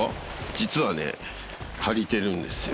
実はね足りてるんですよ